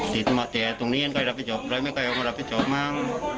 ติดมาตตกนี้ยังก็ไม่ก่อนพ่อผู้พ่อชอบมา